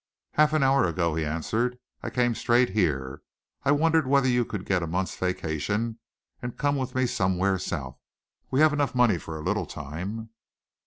"Half an hour ago," he answered. "I came straight here. I wondered whether you could get a month's vacation, and come with me somewhere south. We have enough money for a little time."